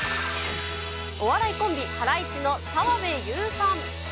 お笑いコンビ、ハライチの澤部佑さん。